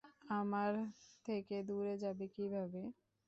আমার থেকে দূরে যাবে কিভাবে?